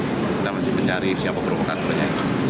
kita masih mencari siapa provokatornya